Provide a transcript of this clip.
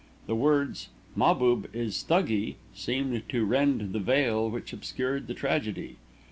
The words, "Mahbub is Thuggee," seemed to rend the veil which obscured the tragedy.